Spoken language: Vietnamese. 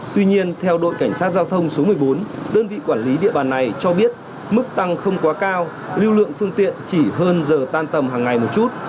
tuy nhiên theo đội cảnh sát giao thông số một mươi bốn đơn vị quản lý địa bàn này cho biết mức tăng không quá cao lưu lượng phương tiện chỉ hơn giờ tan tầm hàng ngày một chút